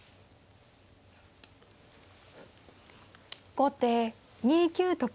後手２九と金。